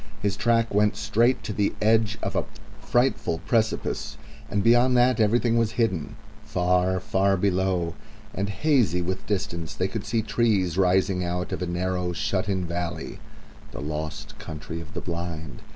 His track went straight to the edge of a frightful precipice, and beyond that everything was hidden. Far, far below, and hazy with distance, they could see trees rising out of a narrow, shut in valley the lost Country of the Blind.